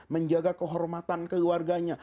menjaga kehormatan keluarganya